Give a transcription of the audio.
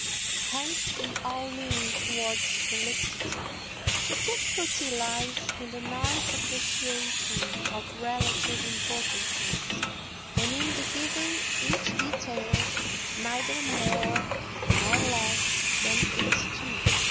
Hence we all lean towards prolixity. The difficulty lies in the nice appreciation of relative importances and in the giving each detail neither more nor less than its due.